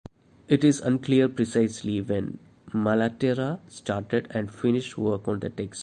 It is unclear precisely when Malaterra started and finished work on the text.